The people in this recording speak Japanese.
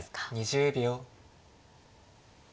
２０秒。